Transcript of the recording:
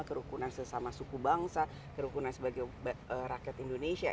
kerukunan sesama suku bangsa kerukunan sebagai rakyat indonesia